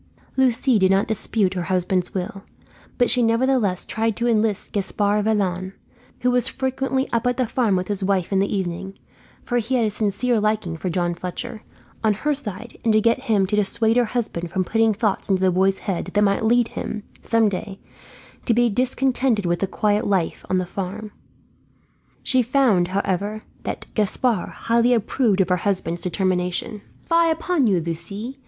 Lucie did not dispute her husband's will; but she nevertheless tried to enlist Gaspard Vaillant who was frequently up at the farm with his wife in the evening, for he had a sincere liking for John Fletcher on her side; and to get him to dissuade her husband from putting thoughts into the boy's head that might lead him, some day, to be discontented with the quiet life on the farm. She found, however, that Gaspard highly approved of her husband's determination. "Fie upon you, Lucie.